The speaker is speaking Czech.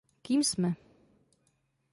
Kým jsme?